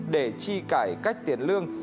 để chi cải cách tiền lương